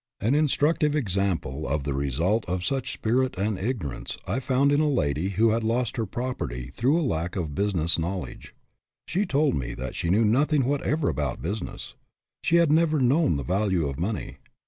An instructive example of the result of such HAD MONEY BUT LOST IT 181 spirit and ignorance I found in a lady who had lost her property through a lack of busi ness knowledge. She told me that she knew nothing whatever about business. She had never known the value of money.